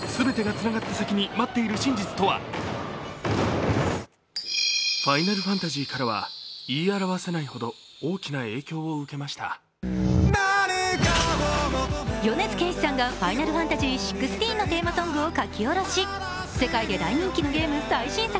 全てがつながった先に待っている真実とは米津玄師さんが「ＦＩＮＡＬＦＡＮＴＡＳＹⅩⅥ」のテーマソングを書き下ろし世界で大人気のゲーム最新作。